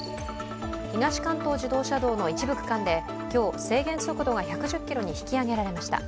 東関東自動車道の一部区間で今日、制限速度が１１０ｋｍに引き上げられました。